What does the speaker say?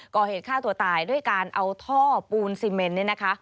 ก่อเหตุฆ่าตัวตายด้วยการเอาท่อปูนซีเมนเนี่ยนะคะ